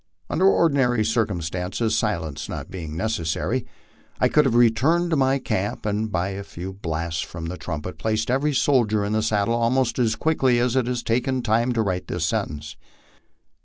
Under ordinary circumstances, silence not being necessary, I could have returned to my camp, and by a few blasts from the trumpet placed every soldier in his saddle almost as quickly as it has taken time to write this sentence.